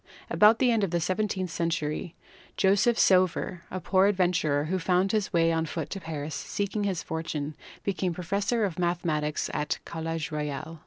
About the end of the seventeenth century Joseph Sauveur, a poor adventurer who found his way on foot to Paris seeking his fortune, became professor of mathematics at the College Royal.